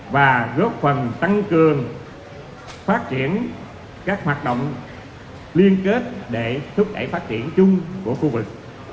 và góp phần tăng cường phát triển các hoạt động liên kết để thúc đẩy phát triển chung của khu vực